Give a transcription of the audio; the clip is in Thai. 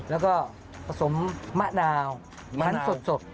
แล้วก็ผสมมะนาวมันสด